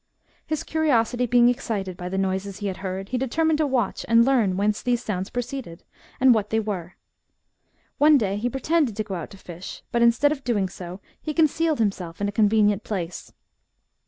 His curiosity being excited by the noises he had heard, he determined to watch and learn whence these sounds proceeded, and what they were. One day he pretended to go out to fish, but, instead of doing so, he concealed himself in a conve nient place.